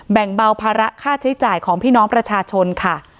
แบ่งเบาภาระค่าใช้จ่ายของพี่น้องประชาชนค่ะ